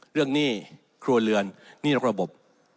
เรื่องหนี้ครัวเรือนหนี้รักระบบ